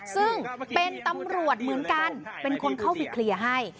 ซึ่งเป็นตำรวจเหมือนกันเป็นคนเข้าไปเคลียร์ให้